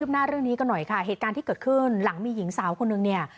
หน้าเรื่องนี้กันหน่อยค่ะเหตุการณ์ที่เกิดขึ้นหลังมีหญิงสาวคนนึงเนี่ย